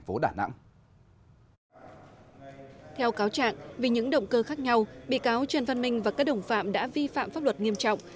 theo cáo trạng vì những động cơ khác nhau bị cáo trần văn minh và các đồng phạm đã vi phạm pháp luật nghiêm trọng